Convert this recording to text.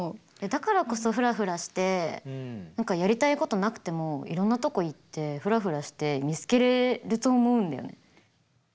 だからこそフラフラして何かやりたいことなくてもいろいろなとこ行ってフラフラして見つけれると思うんだよね。